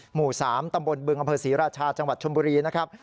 หมู่๓ตำบลบึงอำเภอศรีราชาจังหวัดชนบุรีนะครับ